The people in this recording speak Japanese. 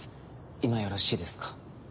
今よろしいですか？